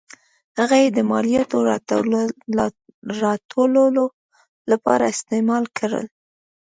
هغه یې د مالیاتو راټولولو لپاره استعمال کړ.